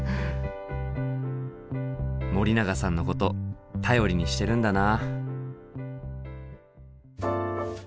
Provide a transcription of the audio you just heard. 森永さんのこと頼りにしてるんだな。